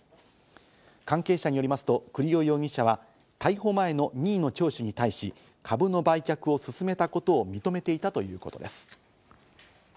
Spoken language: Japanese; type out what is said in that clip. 関係者によりますと、栗尾容疑者は逮捕前の任意の聴取に対し、株の売却を勧めたことを認めていたということです。